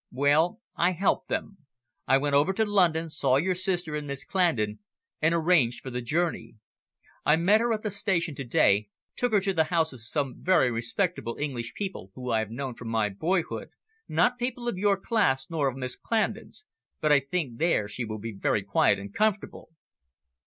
Well, I helped them. I went over to London, saw your sister and Miss Clandon, and arranged for the journey. I met her at the station to day, took her to the house of some very respectable English people whom I have known from my boyhood, not people of your class, nor of Miss Clandon's. But I think there she will be very quiet and comfortable."